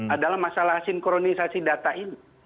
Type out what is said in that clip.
adalah masalah sinkronisasi data ini